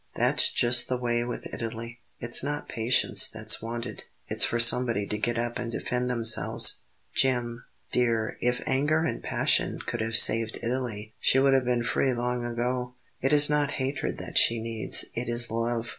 That's just the way with Italy; it's not patience that's wanted it's for somebody to get up and defend themselves " "Jim, dear, if anger and passion could have saved Italy she would have been free long ago; it is not hatred that she needs, it is love."